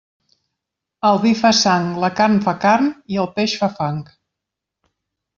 El vi fa sang, la carn fa carn i el peix fa fang.